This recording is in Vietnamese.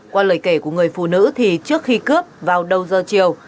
qua lời kể của người phụ nữ thì trước khi cướp vào đầu giờ chiều